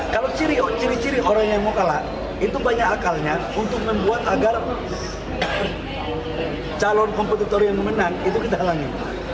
kalau ciri ciri orang yang mau kalah itu banyak akalnya untuk membuat agar calon kompetitor yang menang itu kita halangin